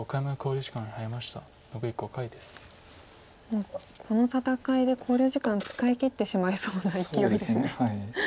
もうこの戦いで考慮時間を使いきってしまいそうな勢いですね。